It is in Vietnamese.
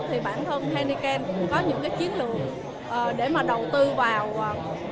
thì bản thân henneken cũng có những chiến lược để mà đầu tư vào